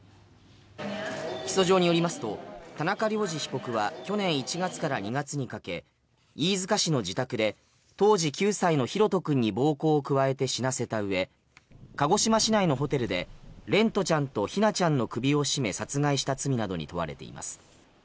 起訴状によりますと田中涼二被告は去年１月から２月にかけ飯塚市の自宅で当時９歳の大翔君に暴行を加えて死なせたうえ鹿児島市内のホテルで蓮翔ちゃんと姫奈ちゃんの首を絞め殺害した罪などに問われています。